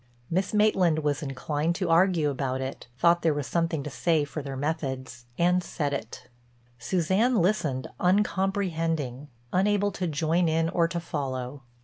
Miss Maitland was inclined to argue about it; thought there was something to say for their methods and said it. Suzanne listened uncomprehending, unable to join in or to follow.